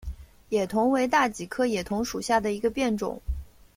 野桐为大戟科野桐属下的一个变种。